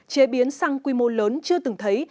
chế biến xăng quy mô lớn chưa từng thấy